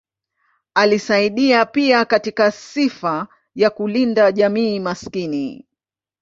Alisaidia pia katika sifa ya kulinda jamii maskini.